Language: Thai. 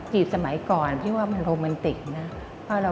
สมัยก่อนพี่ว่ามันโรแมนติกนะ